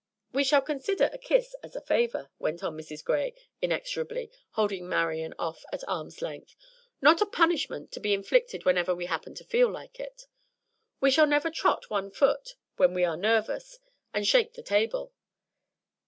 "We shall consider a kiss as a favor," went on Mrs. Gray, inexorably, holding Marian off at arm's length, "not a punishment to be inflicted whenever we happen to feel like it. We shall never trot one foot when we are nervous, and shake the table."